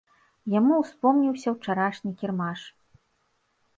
Яму ўспомніўся ўчарашні кірмаш.